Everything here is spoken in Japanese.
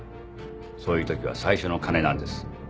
そういうときは最初の金なんです。